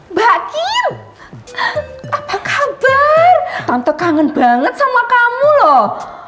mbak kio apa kabar tante kangen banget sama kamu loh